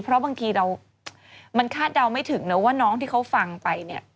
เพราะบางทีเรามันคาดเดาไม่ถึงนะว่าน้องที่เขาฟังไปเนี่ย